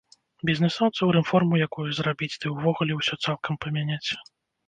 Бізнэсоўцам рэформу якую зрабіць, ды і ўвогуле ўсё цалкам памяняць.